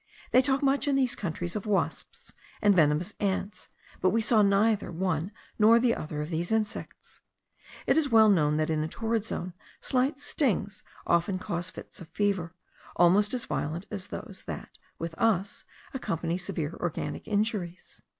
They talk much in these countries of wasps and venomous ants, but we saw neither one nor the other of these insects. It is well known that in the torrid zone slight stings often cause fits of fever almost as violent as those that with us accompany severe organic injuries.